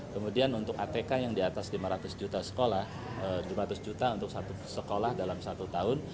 kemudian untuk atk yang di atas lima ratus juta sekolah lima ratus juta untuk satu sekolah dalam satu tahun